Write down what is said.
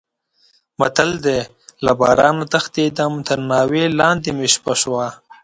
متل دی: له بارانه تښتېدم تر ناوې لانې مې شپه شوه.